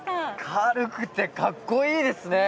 軽くてかっこいいですね！